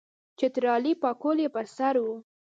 چترالی پکول یې پر سر وو.